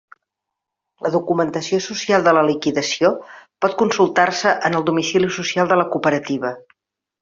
La documentació social de la liquidació pot consultar-se en el domicili social de la cooperativa.